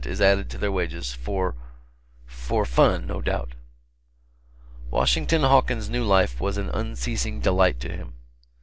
is added to their wages, for for fun, no doubt. Washington Hawkins' new life was an unceasing delight to him.